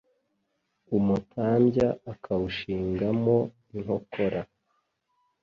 Umutambya akawushinga mo inkokora,